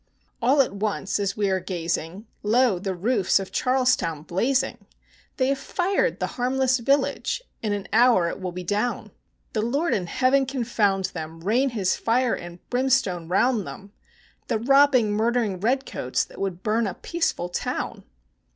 All at once, as we are gazing, lo the roofs of Charlestown blazing! They have fired the harmless village; in an hour it will be down! The Lord in heaven confound them, rain his fire and brimstone round them, The robbing, murdering red coats, that would burn a peaceful town!